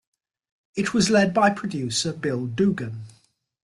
It was led by producer Bill Dugan.